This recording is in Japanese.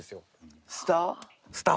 スター？